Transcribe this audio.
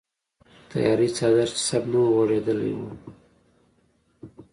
د تیارې څادر چې سم نه وغوړیدلی و.